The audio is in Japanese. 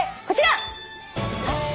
こちら！